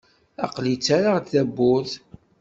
Aql-i ttarraɣ-d tawwurt.